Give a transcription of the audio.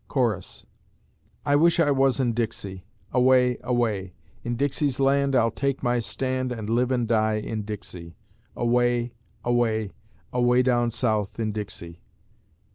Chorus: I wish I was in Dixie; Away, away; In Dixie's land I'll take my stand, And live and die in Dixie. Away, away, Away down South in Dixie.